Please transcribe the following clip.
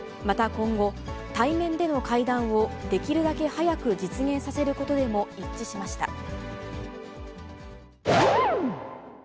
また今後、対面での会談をできるだけ早く実現させることでも一致しました。